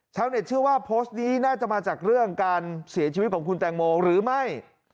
เชื่อว่าโพสต์นี้น่าจะมาจากเรื่องการเสียชีวิตของคุณแตงโมหรือไม่